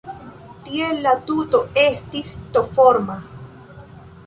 Tiel la tuto estis T-forma.